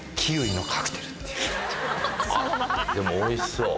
あっでもおいしそう。